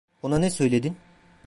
Ona ne söyledin?